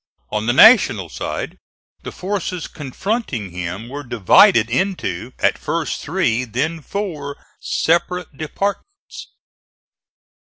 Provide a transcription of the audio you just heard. On the National side the forces confronting him were divided into, at first three, then four separate departments.